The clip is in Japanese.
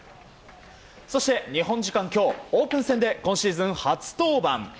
そして日本時間今日オープン戦で今シーズン初登板。